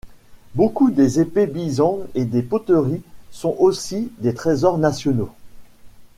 Beaucoup des épées Bizen et des poteries sont aussi des trésors nationaux.